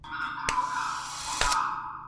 ورین تندی باید پټ نه وي.